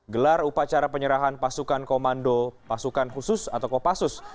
gelar upacara penyerahan pasukan komando pasukan khusus atau kopassus